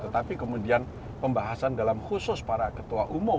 tetapi kemudian pembahasan dalam khusus para ketua umum